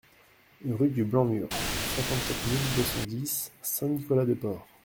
Rue du Blanc Mur, cinquante-quatre mille deux cent dix Saint-Nicolas-de-Port